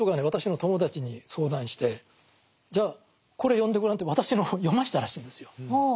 私の友達に相談してじゃあこれ読んでごらんって私の本を読ましたらしいんですよ。